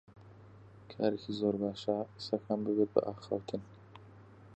دانە دانەیێکم لە نزیکەی پێنجسەد بەیت دێتەوە بیر